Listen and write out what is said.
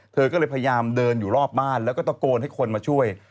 เธอก็เลยพยายามเดินอยู่รอบบ้านแล้วก็ตะโกนให้คนมาช่วย